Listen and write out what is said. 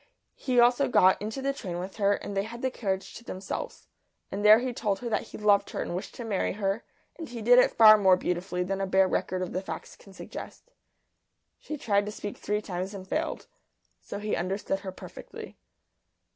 He also got into the train with her, and they had the carriage to themselves. And there he told her that he loved her and wished to marry her, and he did it far more beautifully than a bare record of the facts can suggest. She tried to speak three times and failed. So he understood her perfectly.